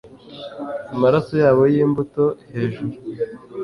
amaraso yabo yimbuto, hejuru